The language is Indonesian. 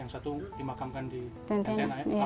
yang satu dimakamkan di antena ya